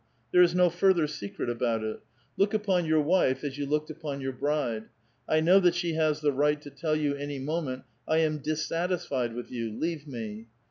There is no further secret about it. Look upon your wife as yon looked upon your bride ; know that she has the right to tell you any moment, "I am dissatisfied with you; leave me."